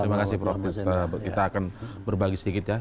terima kasih prof kita akan berbagi sedikit ya